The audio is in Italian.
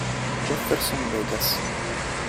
Jefferson Vegas